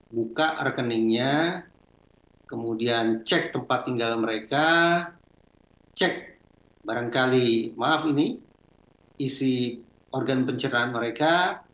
buka rekeningnya kemudian cek tempat tinggal mereka cek barangkali maaf ini isi organ pencerahan mereka